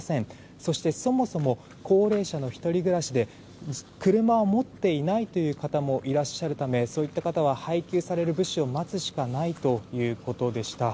そして、そもそも高齢者の１人暮らしで車を持っていないという方もいらっしゃるためそういった方は配給される物資を待つしかないということでした。